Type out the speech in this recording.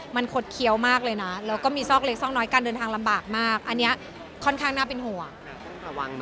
มันคดเคี้ยวมากเลยนะแล้วก็มีซอกเล็กซอกน้อยการเดินทางลำบากมากอันนี้ค่อนข้างน่าเป็นห่วงมาก